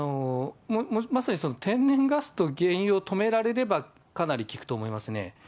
まさに天然ガスと原油を止められれば、かなり効くと思いますね。